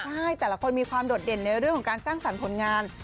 ใช่แต่ละคนมีความโดดเด่นในเรื่องของการสร้างสรรค์ผลงาน